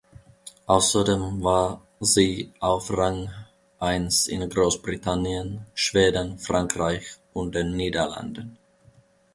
Außerdem war sie auf Rang eins in Großbritannien, Schweden, Frankreich und den Niederlanden.